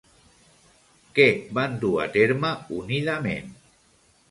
Què van dur a terme unidament?